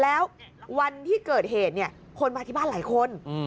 แล้ววันที่เกิดเหตุเนี่ยคนมาที่บ้านหลายคน